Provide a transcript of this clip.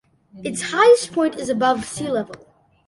Its highest point is above sea level.